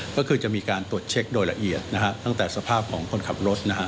ก็คือจะมีการตรวจเช็คโดยละเอียดนะฮะตั้งแต่สภาพของคนขับรถนะฮะ